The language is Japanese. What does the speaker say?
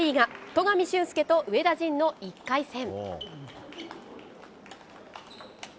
戸上隼輔と上田仁の１回戦。